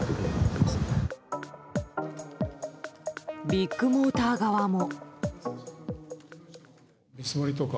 ビッグモーター側も。